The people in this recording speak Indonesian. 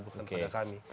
bukan pada kami